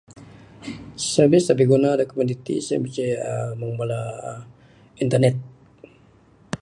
Servis da biguna da komuniti sien boh ceh uhh meng bala uhh internet.